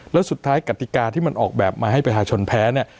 แล้วสุดท้ายกติกาที่มันออกแบบมาให้ประชาชนแพ้เนี่ย